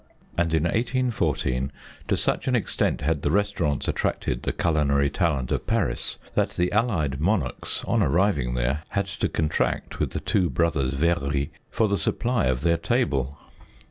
And in 1814, to such an extent had the restaurants at'tracted the culinary talent of Paris, that the allied monarchs, on arriving there, had to contract with the two brothers Very for the supply of their table.